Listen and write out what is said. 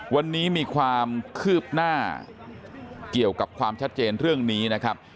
วันนี้มีความคืบหน้าเกี่ยวกับความชัดเจนเรื่องนี้นะครับ